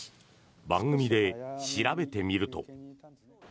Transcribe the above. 番組で調べてみると。